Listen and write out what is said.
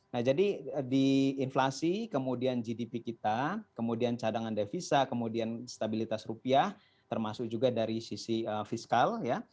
nah jadi di inflasi kemudian gdp kita kemudian cadangan devisa kemudian stabilitas rupiah termasuk juga dari sisi fiskal ya